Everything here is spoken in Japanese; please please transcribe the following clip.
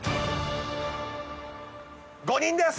５人です！